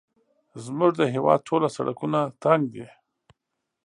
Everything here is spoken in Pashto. زموږ د هېواد ټوله سړکونه تنګ دي